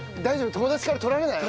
友達から取られない？